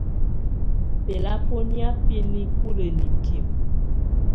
Bɛ̀labɔnɛ̀á bɛ̀ nikulǝ́ nikimǝ.